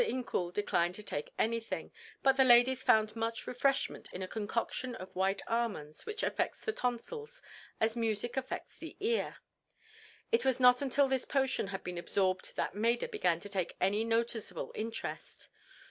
Incoul declined to take anything, but the ladies found much refreshment in a concoction of white almonds which affects the tonsils as music affects the ear. It was not until this potion had been absorbed that Maida began to take any noticeable interest.